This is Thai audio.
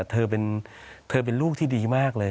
เธอเป็นลูกที่ดีมากเลย